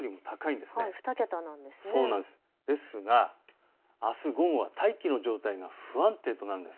ですが、あす午後は大気の状態が不安定となるんです。